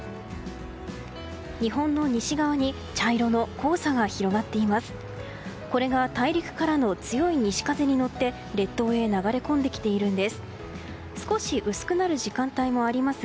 日本の西側に茶色の黄砂が広がっています。